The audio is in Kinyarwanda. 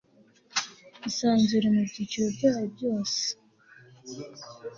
isanzure, mubyiciro byayo byose